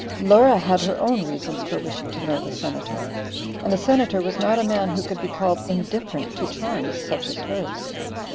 Laura had her own reasons for wishing to know the Senator, and the Senator was not a man who could be called indifferent to charms such as hers.